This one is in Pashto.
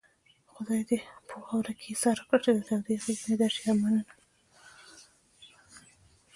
خدای دې په واورو کې ايسار کړه چې د تودې غېږې مې درشي ارمانونه